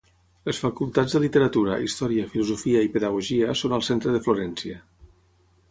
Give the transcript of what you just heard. Les facultats de Literatura, Història, Filosofia i Pedagogia són al centre de Florència.